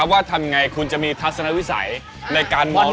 ว่าทำยังไงคุณจะมีทัศนวิสัยในการมอง